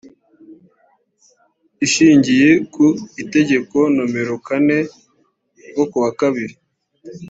ishingiye ku itegeko nomero kane ryo kuwa kabiri